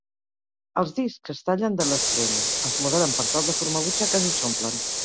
Els discs es tallen de l'extrem, es modelen per tal de formar butxaques i s'omplen.